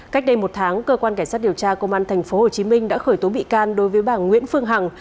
cách đây một tháng cơ quan cảnh sát điều tra công an tp hcm đã khởi tố bị can đối với bà nguyễn phương hằng